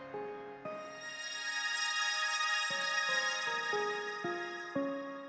เพราะว่าทุกคนต้องมานั่งแบกภาระ